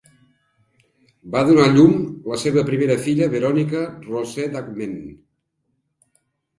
Va donar a llum la seva primera filla Veronica Rose Dahmen.